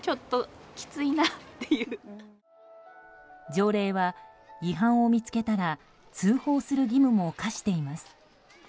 条例は、違反を見つけたら通報する義務も課しています。